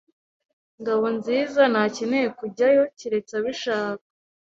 Ngabonziza ntakeneye kujyayo keretse abishaka.